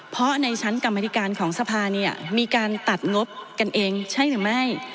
เพราะในชั้นกรรมธิการของสภาเนี่ยมีการตัดงบกันเองใช่หรือไม่